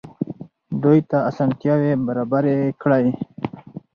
دوی ته اسانتیاوې برابرې کړئ.